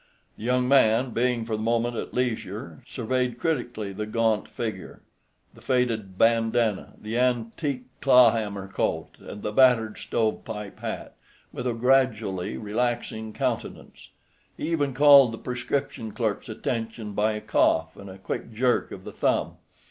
The young man, being for the moment at leisure, surveyed critically the gaunt figure, the faded bandanna, the antique clawhammer coat, and the battered stove pipe hat, with a gradually relaxing countenance. He even called the prescription clerk's attention by a cough and a quick jerk of the thumb.